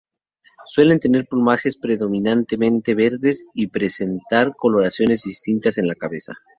Suelen tener plumajes predominantemente verdes y presentar coloraciones distintas en la cabeza.